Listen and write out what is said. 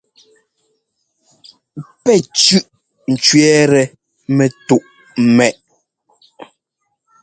Pɛ́ cʉʼ cʉɛtɛ mɛ́túʼ ḿmɛ́ʼ.